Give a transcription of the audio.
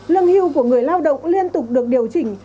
lương hưu của người lao động liên tục được điều chỉnh